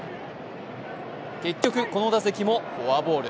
結局、この打席もフォアボール。